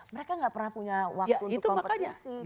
mereka gak pernah punya waktu untuk kompetisi